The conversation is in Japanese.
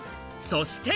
そして！